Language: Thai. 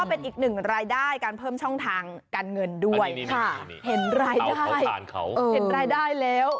พูดนอกจากคำว่าว้าว